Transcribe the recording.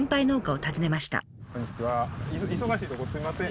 忙しいとこすいません。